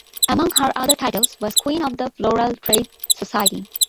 Among her other titles was Queen of the Floral Trail Society.